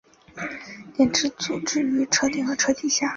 电池组置于车顶和车底下。